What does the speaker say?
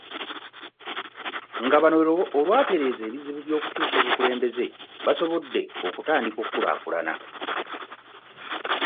Nga bano olwatereeza ekizibu ky'okukyusa obukulembeze, basobodde okutandika okukulaakulana.